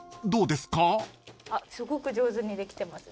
すごく上手にできてますね。